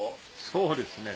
そうですね。